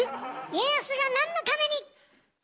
家康がなんのために？